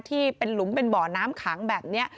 ที่เป็นหลุมเป็นบ่อน้ำขังแบบนี้